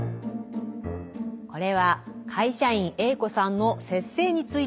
これは会社員Ａ子さんの「節制」についてのお話です。